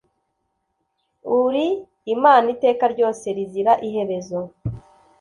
uri imana iteka ryose rizira iherezo